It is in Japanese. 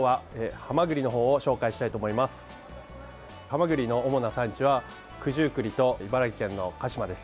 ハマグリの主な産地は九十九里と茨城県の鹿嶋です。